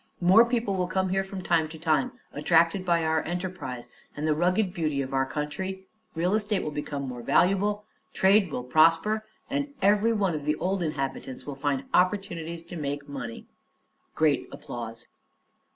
More people will come here from time to time, attracted by our enterprise and the rugged beauty of our county; real estate will become more valuable, trade will prosper and every one of the old inhabitants will find opportunities to make money." (Great applause.)